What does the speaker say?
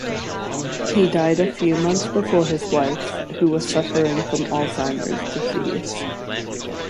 He died a few months before his wife, who was suffering from Alzheimer's disease.